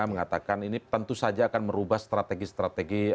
yang mengatakan ini tentu saja akan merubah strategi strategi